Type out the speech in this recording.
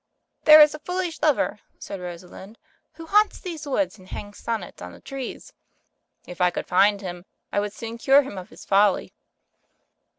"There is a foolish lover," said Rosalind, "who haunts these woods and hangs sonnets on the trees. If I could find him, I would soon cure him of his folly."